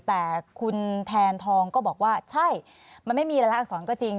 แต่คุณแทนทองก็บอกว่าใช่มันไม่มีรายละอักษรก็จริง